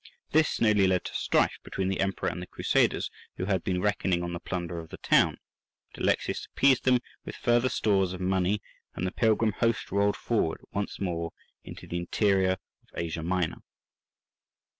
This nearly led to strife between the Emperor and the Crusaders, who had been reckoning on the plunder of the town; but Alexius appeased them with further stores of money, and the pilgrim host rolled forward once more into the interior of Asia Minor.